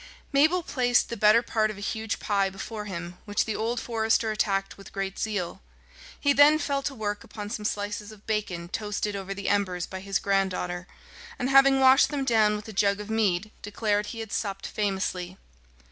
Mabel placed the better part of a huge pie before him, which the old forester attacked with great zeal. He then fell to work upon some slices of bacon toasted over the embers by his granddaughter, and having washed them down with a jug of mead, declared he had supped famously.